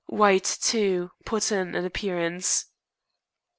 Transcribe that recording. White, too, put in an appearance.